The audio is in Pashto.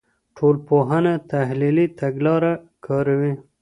ټولنپوهنه تحلیلي تګلاره کاروي.